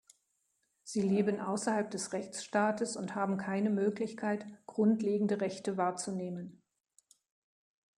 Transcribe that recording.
Sie leben außerhalb des Rechtsstaates und haben keine Möglichkeit, grundlegende Rechte wahrzunehmen.